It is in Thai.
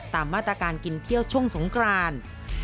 ตามมาตรการกินเที่ยวช่วงสงคราน